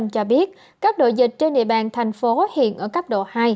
cho biết các độ dịch trên địa bàn tp hcm hiện ở cấp độ hai